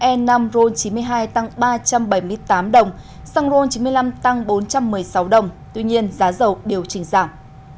e năm ron chín mươi hai tăng ba trăm bảy mươi tám đồng xăng ron chín mươi năm tăng bốn trăm một mươi sáu đồng tuy nhiên giá dầu điều chỉnh giảm